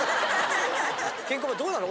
ケンコバどうなの。